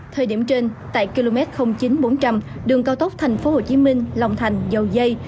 thời điểm trên tại km chín bốn trăm linh đường cao tốc tp hcm long thành dầu dây